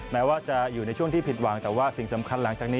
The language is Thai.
แม้ว่าจะอยู่ในช่วงที่ผิดหวังแต่ว่าสิ่งสำคัญหลังจากนี้